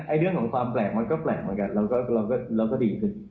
เรื่องของความแปลกมันก็แปลกเหมือนกันเราก็ดีขึ้น